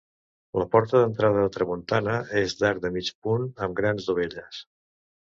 La porta d'entrada a tramuntana és d'arc de mig punt amb grans dovelles.